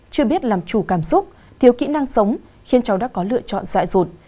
chưa biết làm chủ cảm xúc thiếu kỹ năng sống khiến cháu đã có lựa chọn dại rột